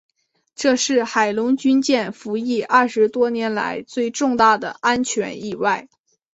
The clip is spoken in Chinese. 这是海龙军舰服役二十多年来最重大的安全意外。